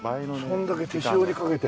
あっそれだけ手塩にかけて。